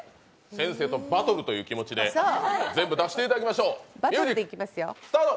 先生とバトルという感じで全部出していただきましょう。